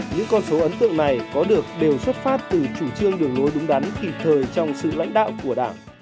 những con số ấn tượng này có được đều xuất phát từ chủ trương đường lối đúng đắn kịp thời trong sự lãnh đạo của đảng